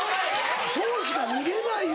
そうしか逃げないよ。